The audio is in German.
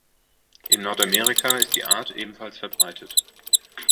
In Nordamerika ist die Art ebenfalls verbreitet.